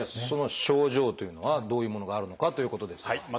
その症状というのはどういうものがあるのかということですが。